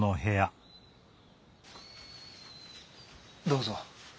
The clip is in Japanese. どうぞ。